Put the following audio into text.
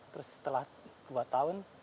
terus setelah dua tahun